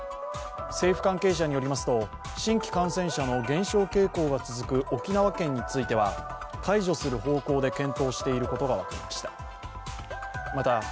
政府関係者によります新規感染者の減少傾向が続く沖縄県については解除する方向で検討していることが分かりました。